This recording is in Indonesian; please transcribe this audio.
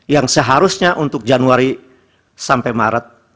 yang seharusnya untuk januari sampai maret